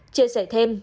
chia sẻ thêm